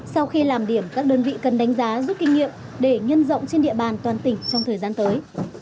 sau khi làm điểm các đơn vị cần đánh giá rút kinh nghiệm để nhân rộng trên địa bàn toàn tỉnh trong thời gian tới